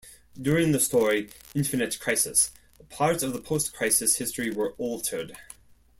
During the story "Infinite Crisis", parts of the Post-Crisis history were altered.